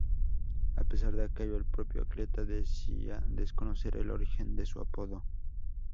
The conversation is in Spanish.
A pesar de aquello, el propio atleta decía desconocer el origen de su apodo.